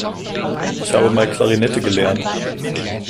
Ich habe mal Klarinette gelernt.